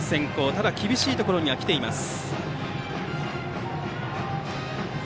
ただ、厳しいところには来ています。